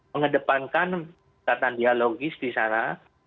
mengedepankan kata dialogis di sana